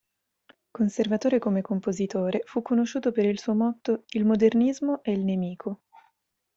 Conservatore come compositore, fu conosciuto per il suo "motto": “il modernismo è il nemico.”